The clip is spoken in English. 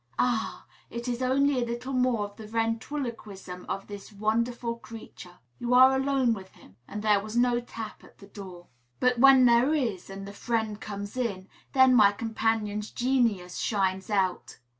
Ah! it is only a little more of the ventriloquism of this wonderful creature. You are alone with him, and there was no tap at the door. But when there is, and the friend comes in, then my companion's genius shines out.